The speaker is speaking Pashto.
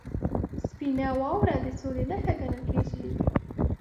• سپینه واوره د سولې نښه ګڼل کېږي.